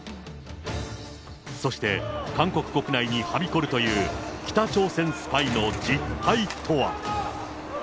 そして、韓国国内にはびこるという、北朝鮮スパイの実態とは。